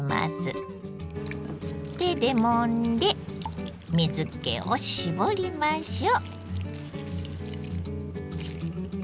手でもんで水けを絞りましょう。